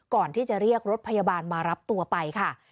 ก่อนที่จะเรียกรถพยาบาลมารับตัวไปค่ะ